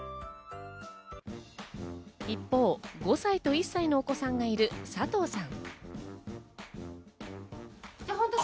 一方、５歳と１歳のお子さんがいる佐藤さん。